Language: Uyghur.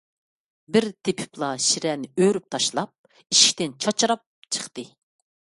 بىر تېپىپلا شىرەنى ئۆرۈپ تاشلاپ، ئىشىكتىن چاچراپ چىقتى.